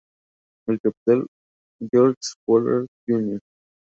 El capitán George Pollard Jr.